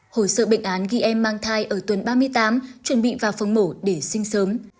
hồ sơ bệnh án ghi em mang thai ở tuần ba mươi tám chuẩn bị vào phòng mổ để sinh sớm